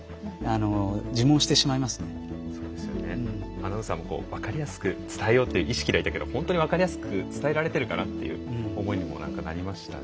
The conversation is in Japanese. アナウンサーも分かりやすく伝えようという意識ではいたけど本当に分かりやすく伝えられているかなという思いにもなりましたね。